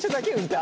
歌。